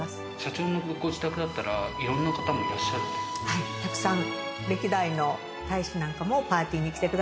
はいたくさん。